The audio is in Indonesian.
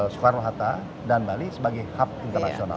soekarno hatta dan bali sebagai hub internasional